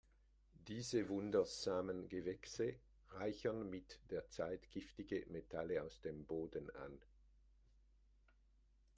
Diese wundersamen Gewächse reichern mit der Zeit giftige Metalle aus dem Boden an.